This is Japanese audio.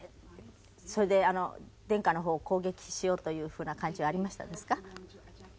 それで殿下の方を攻撃しようというふうな感じはありましたですか？